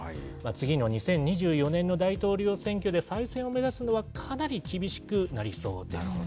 次の２０２４年の大統領選挙で再選を目指すのは、かなり厳しくなりそうです。